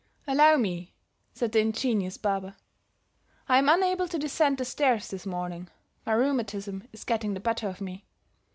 "'Allow me,' said the ingenious barber. 'I am unable to descend the stairs this morning; my rheumatism is getting the better of me.